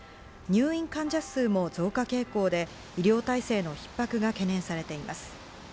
入院患者数も増加傾向で医療体制の逼迫が懸念されています。